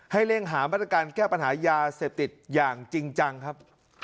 เร่งหามาตรการแก้ปัญหายาเสพติดอย่างจริงจังครับ